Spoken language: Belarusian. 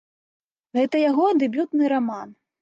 Гэта яго дэбютны раман.